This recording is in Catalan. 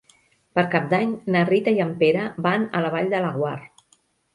Per Cap d'Any na Rita i en Pere van a la Vall de Laguar.